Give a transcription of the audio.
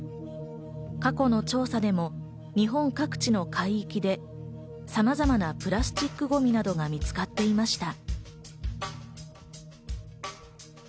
過去の調査でも日本各地でさまざまなプラスチックゴミなどが見つかっていました。